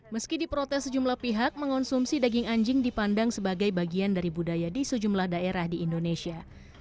meski diprotes sejumlah pihak mengonsumsi daging anjing dipandang sebagai bagian dari budaya di sejumlah daerah di indonesia